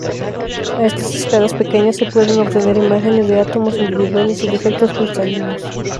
A estas escalas pequeñas se pueden obtener imágenes, de átomos individuales y defectos cristalinos.